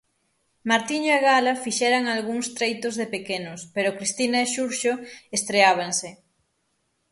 Martiño e Gala fixeran algúns treitos de pequenos pero Cristina e Xurxo estreábanse.